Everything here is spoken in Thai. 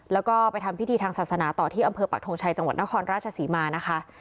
แล้วก็ไปทำพิธีทางศาสนาต่อที่อำเภอปักทงชัยจังหวัดนครราชศรีมานะคะ